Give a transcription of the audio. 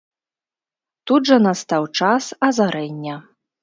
Тут жа настаў час азарэння.